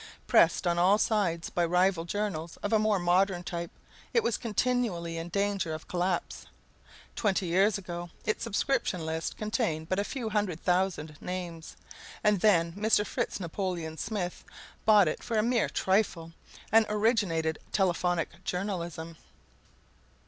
Pressed on all sides by rival journals of a more modern type, it was continually in danger of collapse. Twenty years ago its subscription list contained but a few hundred thousand names, and then Mr. Fritz Napoleon Smith bought it for a mere trifle, and originated telephonic journalism.